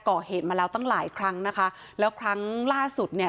ก่อเหตุมาแล้วตั้งหลายครั้งนะคะแล้วครั้งล่าสุดเนี่ย